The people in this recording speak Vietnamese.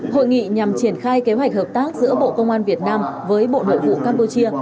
hội nghị nhằm triển khai kế hoạch hợp tác giữa bộ công an việt nam với bộ nội vụ campuchia